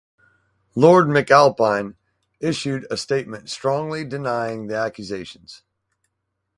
Lord McAlpine issued a statement strongly denying the accusations.